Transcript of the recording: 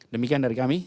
demikian dari kami